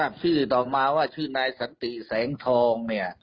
ชื่อต่อมาว่าชื่อนายสันติแสงทองเนี่ย